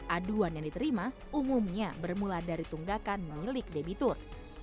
aduan yang diterima umumnya bermula dari tunggakan milik debitur